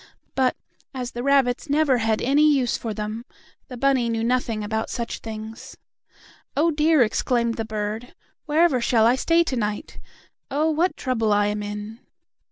But, as the rabbits never had any use for them, the bunny knew nothing about such things. "Oh, dear!" exclaimed the bird. "Wherever shall I stay to night? Oh, what trouble I am in."